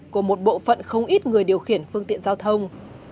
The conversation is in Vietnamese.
của một bộ phận không ít người điều khiển phương tiện giao thông